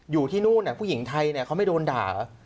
อยู่ที่นู่นผู้หญิงไทยเขาไม่โดนด่า